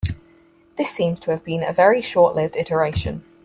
This seems to have been a very short lived iteration.